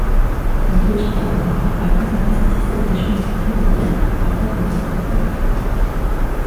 Le petit étendoir a conservé son système d'acheminement ferroviaire par wagonnets à voie étroite.